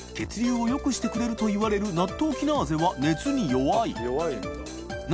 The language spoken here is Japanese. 賣よくしてくれるといわれるナットウキナーゼは熱に弱い磴覆里悩